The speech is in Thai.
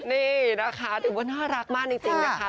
นี่นะคะถือว่าน่ารักมากจริงนะคะ